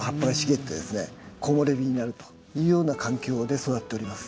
木漏れ日になるというような環境で育っております。